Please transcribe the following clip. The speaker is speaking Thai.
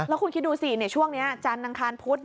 แล้วคุณคิดดูสิช่วงนี้จันทร์อังคารพุธ